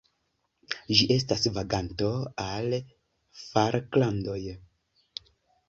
Ĝi estas vaganto al Falklandoj.